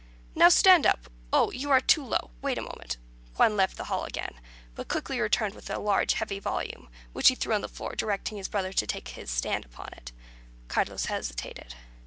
"Now stand up. Oh, you are too low; wait a moment." Juan left the hall again, but quickly returned with a large heavy volume, which he threw on the floor, directing his brother to take his stand upon it. Carlos hesitated.